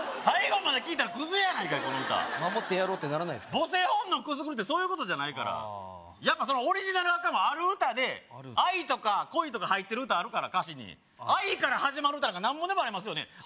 最後まで聴いたらクズやないかこの歌守ってやろうってならないですか母性本能くすぐるってそういうことじゃないからああやっぱそのオリジナルはあかんわある歌で愛とか恋とか入ってる歌あるから歌詞に「愛」から始まる歌なんかなんぼでもありますよね